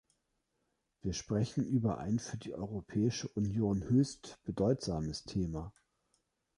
Wir sprechen über ein für die Europäische Union höchst bedeutsames Thema.